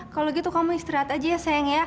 kalau gitu kamu istirahat aja ya sayang ya